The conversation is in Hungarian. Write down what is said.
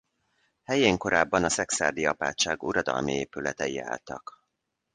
Helyén korábban a szekszárdi apátság uradalmi épületei álltak.